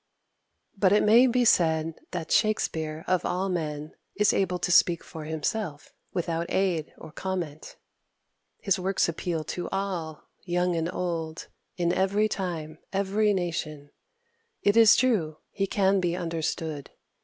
But it may be said that Shakspere, of all men, is able to speak for himself without aid or comment. His works appeal to all, young and old, in every time, every nation. It is true; he can be understood.